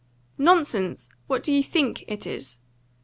"Nonsense! What do you think it is?"